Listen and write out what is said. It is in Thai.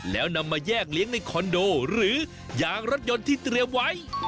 แล้วนำมาแยกเลี้ยงในคอนโดหรือยางรถยนต์ที่เตรียมไว้